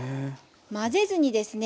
混ぜずにですね